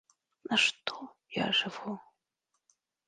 На што я жыву?